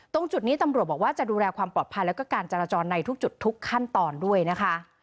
ตรงจุดนี้ตำรวจบอกว่าจะดูแลความปลอดภัยแล้วก็การจราจรในทุกจุดทุกขั้นตอนด้วยนะคะ